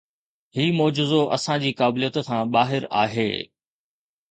هي معجزو اسان جي قابليت کان ٻاهر آهي.